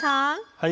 はい。